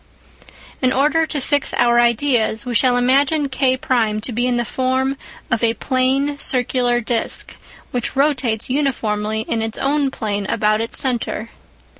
In order to fix our ideas, we shall imagine K1 to be in the form of a plane circular disc, which rotates uniformly in its own plane about its centre.